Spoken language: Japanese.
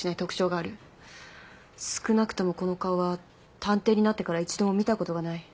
少なくともこの顔は探偵になってから一度も見たことがない。